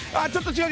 違う！